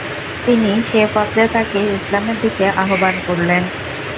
তিনি সে পত্রে তাকে ইসলামের দিকে আহবান করলেন।